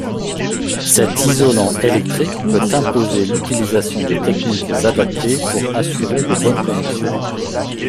Cet isolant électrique peut imposer l’utilisation de techniques adaptées pour assurer de bonnes connexions.